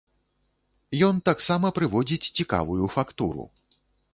Ён таксама прыводзіць цікавую фактуру.